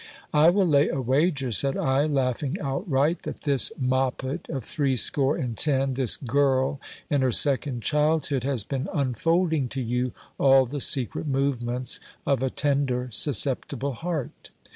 I will lay a wager, said I, laughing outright, that this moppet of threescore and ten, this girl in her second childhood, has been unfolding to you all the secret movements of a tender, susceptible heart.